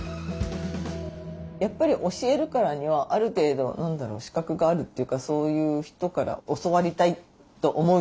やっぱり教えるからにはある程度資格があるというかそういう人から教わりたいと思うじゃないですか。